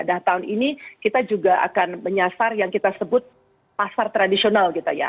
dan tahun ini kita juga akan menyasar yang kita sebut pasar tradisional gitu ya